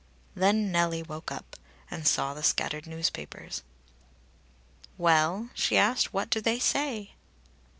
Then Nellie woke up, and saw the scattered newspapers. "Well," she asked; "what do they say?"